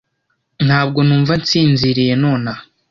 Ntabwo numva nsinziriye nonaha.